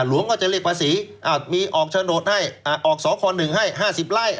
หลวงก็จะเรียกภาษีมีออกชะโนตให้ออกสอขอนึงให้๕๐ไล่